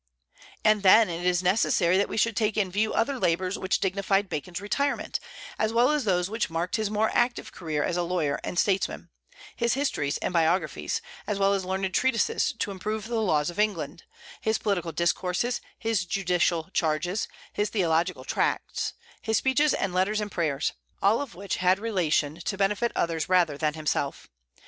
And then, it is necessary that we should take in view other labors which dignified Bacon's retirement, as well as those which marked his more active career as a lawyer and statesman, his histories and biographies, as well as learned treatises to improve the laws of England; his political discourses, his judicial charges, his theological tracts, his speeches and letters and prayers; all of which had relation to benefit others rather than himself.